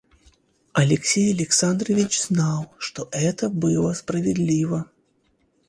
Алексей Александрович знал, что это было справедливо.